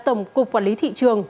tổng cục quản lý thị trường